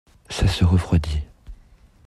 Ça se refroidit.